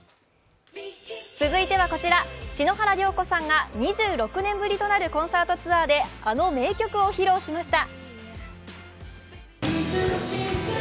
続いてはこちら、篠原涼子さんが２６年ぶりとなるコンサートツアーで、あの名曲を披露しました。